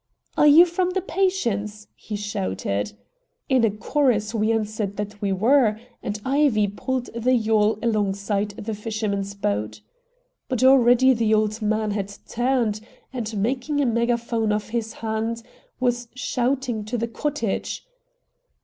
"Are you from the Patience?" he shouted. In chorus we answered that we were, and Ivy pulled the yawl alongside the fisherman's boat. But already the old man had turned and, making a megaphone of his hands, was shouting to the cottage.